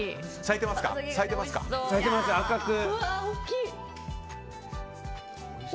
咲いてます、赤く。